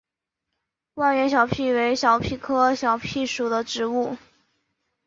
万源小檗为小檗科小檗属的植物。